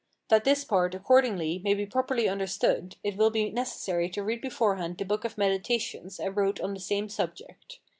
That this part, accordingly, may be properly understood, it will be necessary to read beforehand the book of Meditations I wrote on the same subject.